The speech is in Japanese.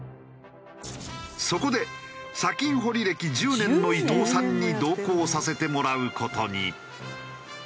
そこで砂金掘り歴１０年の伊藤さんに同行させてもらう事に。